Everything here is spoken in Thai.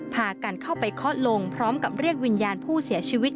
พากันเข้าไปเคาะลงพร้อมกับเรียกวิญญาณผู้เสียชีวิต